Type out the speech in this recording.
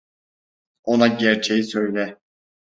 Ona gerçeği söyle.